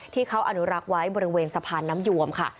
ที่เขาอนุรักษ์ไว้บริเวณสะพานน้ำยวมค่ะ